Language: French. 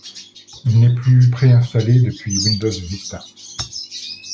Il n'est plus pré installé depuis Windows Vista.